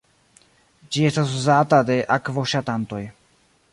Ĝi estas uzata de akvoŝatantoj.